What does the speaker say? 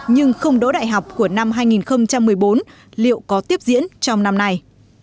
nhưng không đỗ đại học của năm hai nghìn một mươi bốn liệu có tiếp diễn trong năm nay